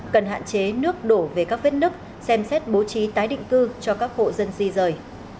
cần hạn chế nước đổ về các vết nứt xem xét bố trí tái định cư cho các hộ dân di rời